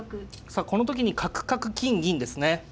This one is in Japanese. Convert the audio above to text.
さあこの時に角角金銀ですね。